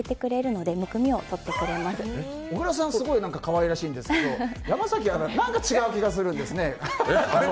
すごい可愛らしいんですけど山崎アナ何か違う気がするんですね。